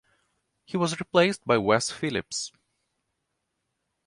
He was replaced by Wes Phillips.